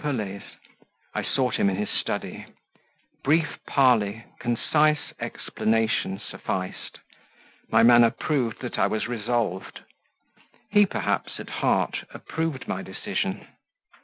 Pelet's: I sought him in his study; brief parley, concise explanation sufficed; my manner proved that I was resolved; he, perhaps, at heart approved my decision.